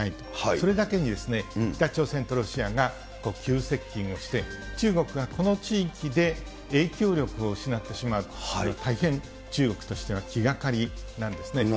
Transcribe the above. それだけに北朝鮮とロシアが急接近をして、中国がこの地域で影響力を失ってしまうというのは、大変、中国としては気がかりなんですね。